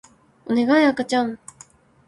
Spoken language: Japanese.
おねがい赤ちゃん